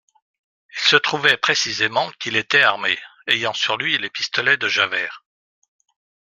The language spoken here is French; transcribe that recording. Il se trouvait précisément qu'il était armé, ayant sur lui les pistolets de Javert.